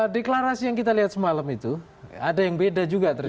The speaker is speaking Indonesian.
deklarasi yang kita lihat semalam itu ada yang beda juga ternyata